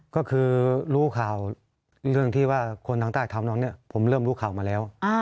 ก็คือรู้ข่าวเรื่องที่ว่าคนทางใต้ทำน้องเนี่ยผมเริ่มรู้ข่าวมาแล้ว